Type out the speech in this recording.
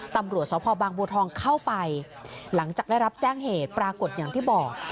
ตำรวจสพบางบัวทองเข้าไปหลังจากได้รับแจ้งเหตุปรากฏอย่างที่บอก